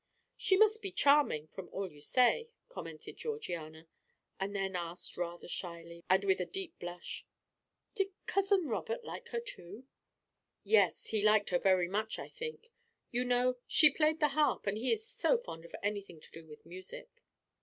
"She must be charming, from all you say," commented Georgiana, and then asked rather shyly and with a deep blush: "Did Cousin Robert like her too?" "Yes, he liked her very much, I think. You know, she played the harp, and he is so fond of anything to do with music."